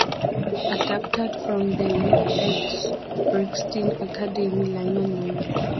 Adapted from the "Live at Brixton Academy" liner notes.